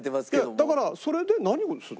だからそれで何をするの？